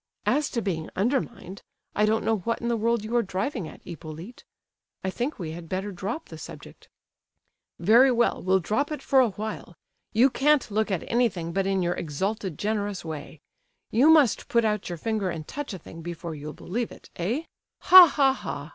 "As to being undermined, I don't know what in the world you are driving at, Hippolyte. I think we had better drop the subject!" "Very well, we'll drop it for a while. You can't look at anything but in your exalted, generous way. You must put out your finger and touch a thing before you'll believe it, eh? Ha! ha! ha!